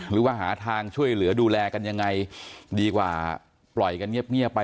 หรือว่าหาทางช่วยเหลือดูแลกันยังไงดีกว่าปล่อยกันเงียบไป